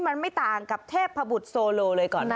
มันไม่ต่างกับเทพบุตรโซโลเลยก่อนนะ